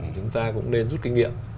chúng ta cũng nên rút kinh nghiệm